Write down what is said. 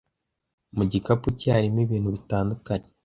Mu gikapu cye harimo ibintu bitandukanye.